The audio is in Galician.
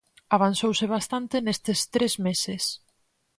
Avanzouse bastante nestes tres meses.